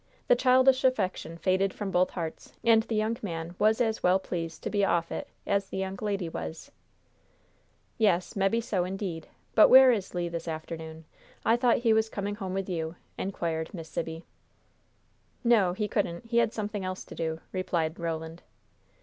The childish affection faded from both hearts, and the young man was as well pleased to be off it as the young lady was." "Yes, mebbe so, indeed. But where is Le this afternoon? I thought as he was coming home with you," inquired Miss Sibby. "No; he couldn't. He had something else to do," replied Roland.